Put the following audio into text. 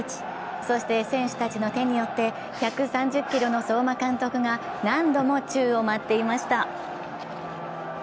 そして選手たちの手によって１３０ｋｇの相馬監督が何度も宙を舞っていました。